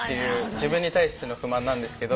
自分に対しての不満なんですけど。